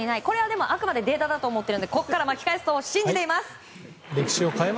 これはあくまでデータだと思っていますので巻き返し信じています。